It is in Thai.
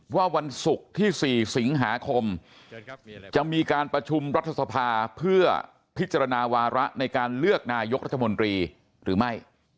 วันศุกร์ที่๔สิงหาคมจะมีการประชุมรัฐสภาเพื่อพิจารณาวาระในการเลือกนายกรัฐมนตรีหรือไม่